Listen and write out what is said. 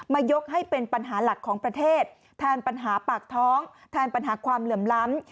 ยกให้เป็นปัญหาหลักของประเทศแทนปัญหาปากท้องแทนปัญหาความเหลื่อมล้ำ